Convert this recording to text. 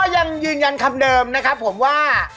ยังยืนยันคำเดิมนะครับผมว่า